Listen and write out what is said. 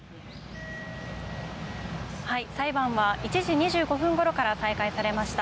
裁判は１時２５分ごろから再開されました。